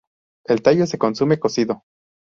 El tallo se consume cocido.